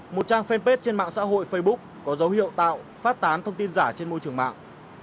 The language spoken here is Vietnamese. một trang fanpage trên mạng xã hội facebook có dấu hiệu tạo phát tán thông tin giả trên môi trường mạng